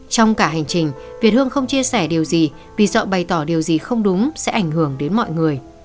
trong cả hành trình việt hương không chia sẻ điều gì vì sợ bày tỏ điều gì không đúng sẽ ảnh hưởng